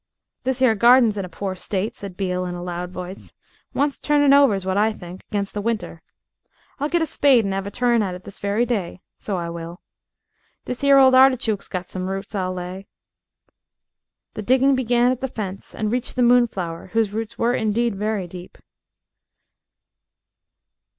"This 'ere garden's in a poor state," said Beale in a loud voice; "wants turning over's what I think against the winter. I'll get a spade and 'ave a turn at it this very day, so I will. This 'ere old artichook's got some roots, I lay." The digging began at the fence and reached the moonflower, whose roots were indeed deep.